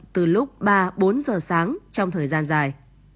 từ lúc ba bốn giờ sáng trong thời gian dài